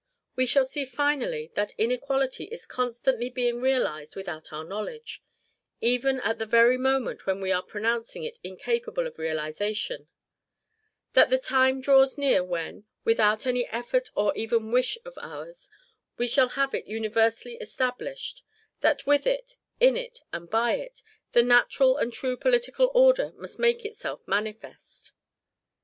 We shall see finally that equality is constantly being realized without our knowledge, even at the very moment when we are pronouncing it incapable of realization; that the time draws near when, without any effort or even wish of ours, we shall have it universally established; that with it, in it, and by it, the natural and true political order must make itself manifest.